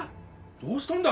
どうしたんだ？